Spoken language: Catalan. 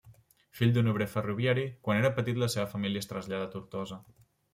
Fill d'un obrer ferroviari, quan era petit la seva família es traslladà a Tortosa.